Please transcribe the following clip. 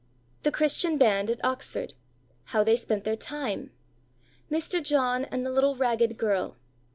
The Christian band at Oxford. How they spent their time. Mr. John and the little ragged girl.